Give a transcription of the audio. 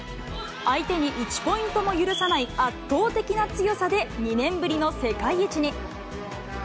相手に１ポイントも許さない圧倒的な強さで２年ぶりの世界一に。